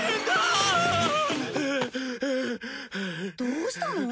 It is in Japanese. どうしたの？